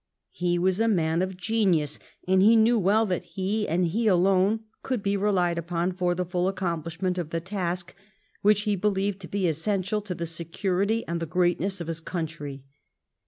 He was a man of genius, and he knew well that he and he alone could be relied upon for the full accomplishment of the task which he believed to be essential to the security and the greatness of his coun try.